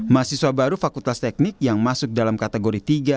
mahasiswa baru fakultas teknik yang masuk dalam kategori tiga